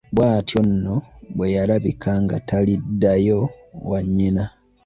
Bw'atyo nno bwe yalabika nga taliddayo wa nnyina.